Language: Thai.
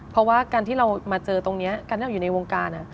เพราะว่าการที่เรามาเจอตรงนี้การที่เราอยู่ในวงการ